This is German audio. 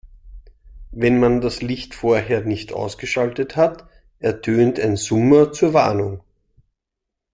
Wenn man das Licht vorher nicht ausgeschaltet hat, ertönt ein Summer zur Warnung.